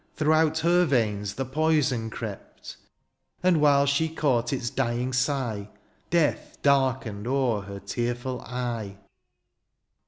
Throughout her veins the poison crept ; And while she caught its dying sigh. Death darkened o'er her tearful eye.